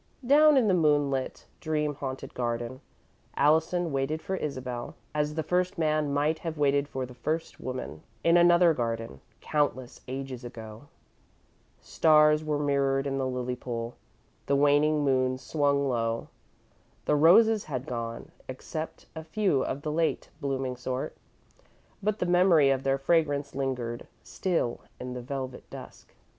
Down in the moon lit, dream haunted garden, Allison waited for Isabel, as the First Man might have waited for the First Woman, in another garden, countless ages ago. Stars were mirrored in the lily pool; the waning moon swung low. The roses had gone, except a few of the late blooming sort, but the memory of their fragrance lingered still in the velvet dusk.